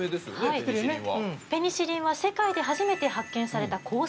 ペニシリンは。